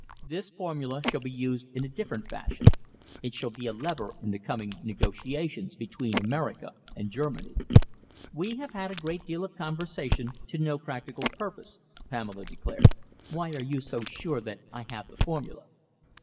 This formula shall be used in a different fashion. It shall be a lever in the coming negotiations between America and Germany." "We have had a great deal of conversation to no practical purpose," Pamela declared. "Why are you so sure that I have the formula?"